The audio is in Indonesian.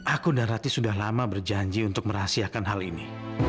akun dan rati sudah lama berjanji untuk merahasiakan hal ini